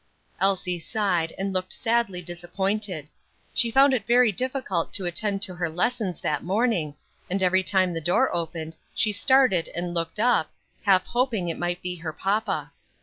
Elsie sighed, and looked sadly disappointed. She found it very difficult to attend to her lessons that morning, and every time the door opened she started and looked up, half hoping it might be her papa.